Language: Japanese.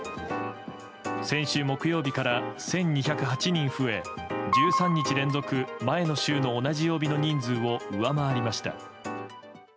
先週木曜日から１２０８人増え１３日連続、前の週の同じ曜日の人数を上回りました。